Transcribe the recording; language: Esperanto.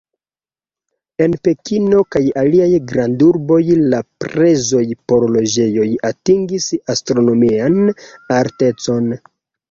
En Pekino kaj aliaj grandurboj la prezoj por loĝejoj atingis astronomian altecon.